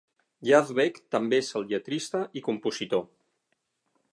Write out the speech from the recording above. Yazbek també és el lletrista i compositor.